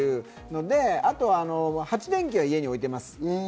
あと発電機は家に置いてます。